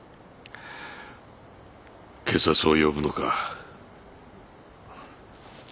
警察を呼ぶのか？